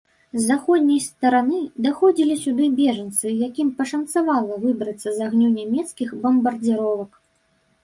З заходняй стараны даходзілі сюды бежанцы, якім пашанцавала выбрацца з агню нямецкіх бамбардзіровак.